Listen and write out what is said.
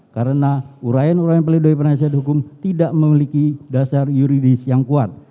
karena uraian uraian peledoi penasihat hukum tidak memiliki dasar yuridis yang kuat